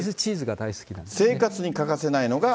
生活に欠かせないのが。